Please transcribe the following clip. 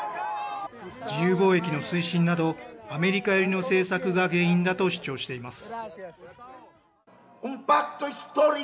自由貿易の推進など、アメリカ寄りの政策が原因だと主張しています。